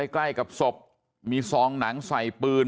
ใกล้กับศพมีซองหนังใส่ปืน